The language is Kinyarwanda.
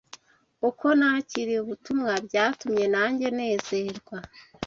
Uko Nakiriye Ubutumwa byatumye nange nezerwa